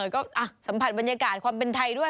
ก็สัมผัสบรรยากาศความเป็นไทยด้วย